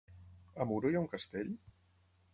A Muro hi ha un castell?